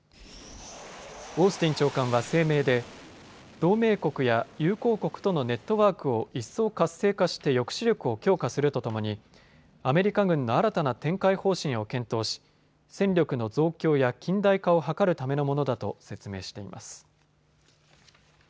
オースティン長官は声明で同盟国や友好国とのネットワークを一層、活性化して抑止力を強化するとともにアメリカ軍の新たな展開方針を検討し戦力の増強や近代化を図るためのものだと説明しています。